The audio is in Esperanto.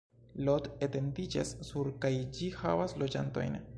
Lot etendiĝas sur kaj ĝi havas loĝantojn.